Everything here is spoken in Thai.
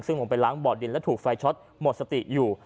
ซึ่งผมไปล้างบ่อดินและถูกไฟช็อตหมดสติอยู่